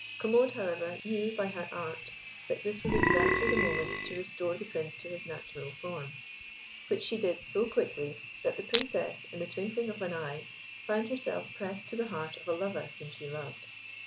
Commode, however, knew by her art that this was exactly the moment to restore the Prince to his natural form, which she did so quickly that the Princess, in the twinkling of an eye, found herself pressed to the heart of a lover whom she loved.